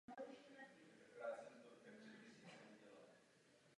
Zadní nohy se pohybují současně a ocas slouží k udržení rovnováhy a směru.